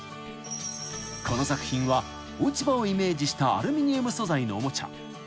［この作品は落ち葉をイメージしたアルミニウム素材のおもちゃ］